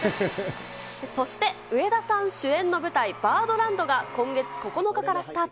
そして上田さん主演の舞台、Ｂｉｒｄｌａｎｄが、今月９日からスタート。